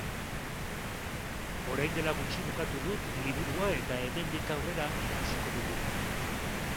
Orain dela gutxi bukatu dut liburua eta hemendik aurrera ikusiko dugu.